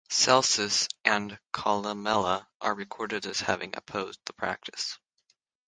Celsus and Columella are recorded as having opposed the practice.